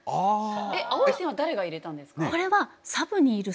青い線は誰が入れたんですか？